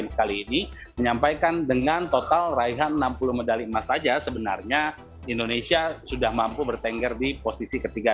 kemenpora yang menangkan medali emas di sea games kali ini menyampaikan dengan total raihan enam puluh medali emas saja sebenarnya indonesia sudah mampu bertengger di posisi ketiga